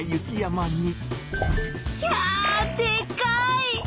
ひゃでかい！